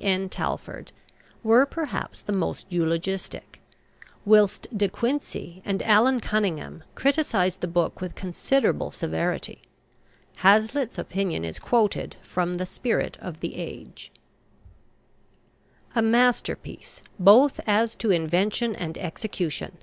N. Talfourd were perhaps the most eulogistic, whilst De Quincey and Allan Cunningham criticized the book with considerable severity. Hazlitt's opinion is quoted from the "Spirit of the Age": "A masterpiece, both as to invention and execution.